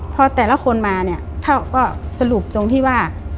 พอแต่ละคนมาเนี่ยเท่าก็สรุปตรงที่ว่า